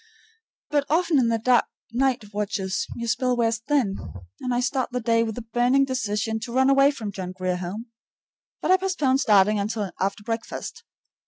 But often in the night watches your spell wears thin, and I start the day with the burning decision to run away from the John Grier Home. But I postpone starting until after breakfast.